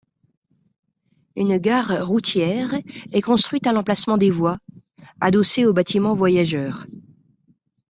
Une gare routière est construite à l'emplacement des voies, adossée au bâtiment voyageurs.